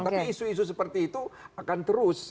tapi isu isu seperti itu akan terus